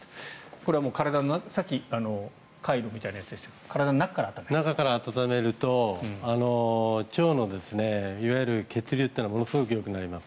これはさっきカイロみたいなやつでしたが中から温めると腸のいわゆる血流がものすごくよくなります。